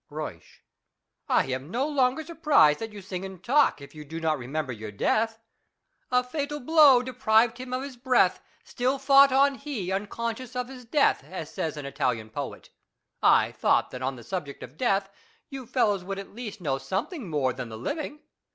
Euysch. I am no longer surprised that you sing and talk, if you do not remember your death. " A fatal blow deprived him of his breath ; Still foiight he on, uncouscious of his death "— as says an Italian poet. I thought that on the subject of death you fellows would at least know something more than the living.